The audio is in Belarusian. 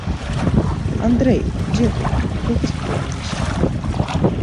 Андрэй, дзе ты, плыты скрануліся.